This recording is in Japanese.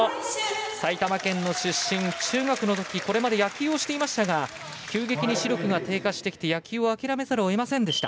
埼玉県の出身、中学のときこれまで野球をしていましたが急激に視力が低下してきて野球を諦めざるをえませんでした。